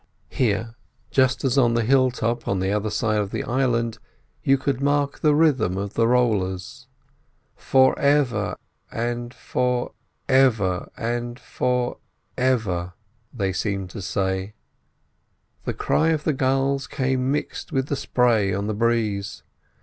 Here, just as on the hill top at the other side of the island, you could mark the rhythm of the rollers. "Forever, and forever—forever, and forever," they seemed to say. The cry of the gulls came mixed with the spray on the breeze.